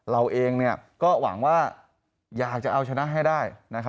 เอาเองเนี่ยก็หวังว่าอยากจะเอาชนะให้ได้นะครับ